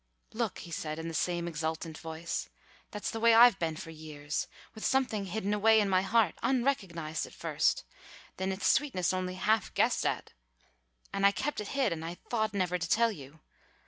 "Look!" he said in the same exultant voice. "That's the way I've been for years, with something hidden away in my heart, unrecognized at first, then its sweetness only half guessed at. And I kept it hid, and I thought never to tell you.